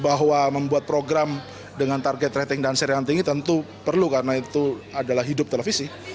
bahwa membuat program dengan target rating dan share yang tinggi tentu perlu karena itu adalah hidup televisi